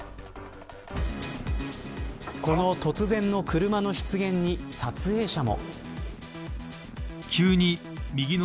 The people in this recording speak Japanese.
この突然の車の出現に撮影者も。